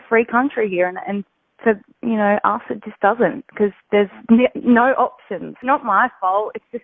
hanya cara yang terjadi